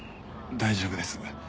大丈夫です。